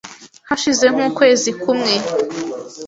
hashize nk’ukwezi kumwe